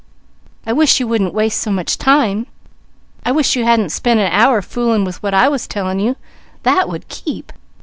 I wish you wouldn't waste so much time! I wish you hadn't spent an hour fooling with what I was telling you; that would keep.